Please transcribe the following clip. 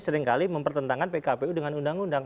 seringkali mempertentangkan pkpu dengan undang undang